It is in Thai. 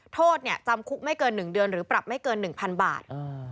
โทษจำคุกไม่เกิน๑เดือนหรือปรับไม่เกิน๑๐๐๐บาท